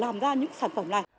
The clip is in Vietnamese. làm ra những sản phẩm này